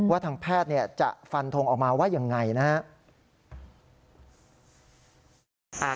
ว่าทางแพทย์เนี่ยจะฟันทงออกมาว่าอย่างไรนะฮะ